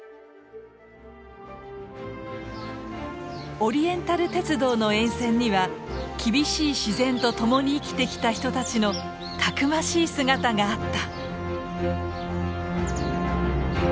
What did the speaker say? オリエンタル鉄道の沿線には厳しい自然とともに生きてきた人たちのたくましい姿があった。